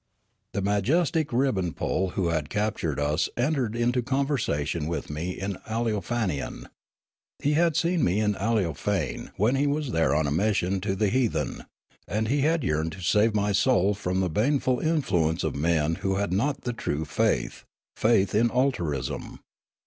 The majestic ribbon pole who had captured us en tered into conversation with me in Aleofanian. He had seen me in Aleofane when he was there on a mis sion to the heathen ; and he had yearned to save my soul from the baneful influence of men who had not the true faith — faith in altruism.